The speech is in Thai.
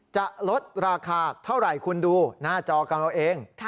จะลดราคาเท่าไหร่คุณดูหน้าจอกับเราเอง